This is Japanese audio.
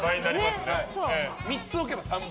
３つ置けば３倍。